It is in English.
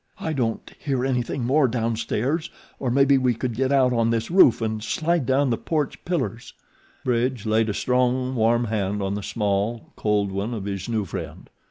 "I don't hear anything more downstairs, or maybe we could get out on this roof and slide down the porch pillars." Bridge laid a strong, warm hand on the small, cold one of his new friend.